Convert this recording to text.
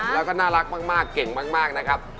แล้วก็น่ารักมากเก่งมากนะครับ